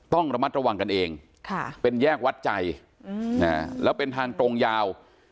ต้องระมัดระวังกันเองเป็นแยกวัดใจแล้วเป็นทางตรงยาว